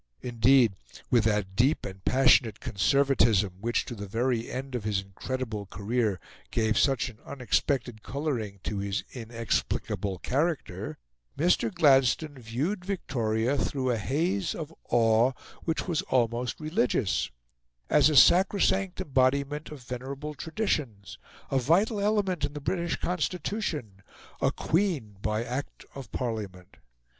Indeed, with that deep and passionate conservatism which, to the very end of his incredible career, gave such an unexpected colouring to his inexplicable character, Mr. Gladstone viewed Victoria through a haze of awe which was almost religious as a sacrosanct embodiment of venerable traditions a vital element in the British Constitution a Queen by Act of Parliament.